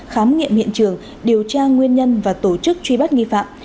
khám nghiệm hiện trường điều tra nguyên nhân và tổ chức truy bắt nghi phạm